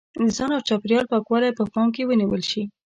د ځان او چاپېریال پاکوالی په پام کې ونیول شي.